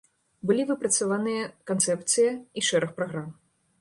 Былі выпрацаваныя канцэпцыя і шэраг праграм.